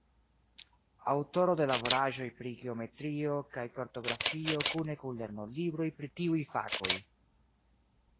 Aŭtoro de laboraĵoj pri geometrio kaj kartografio kune kun lernolibroj pri tiuj fakoj.